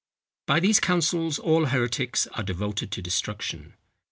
By these councils all heretics are devoted to destruction.